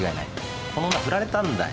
この女ふられたんだよ。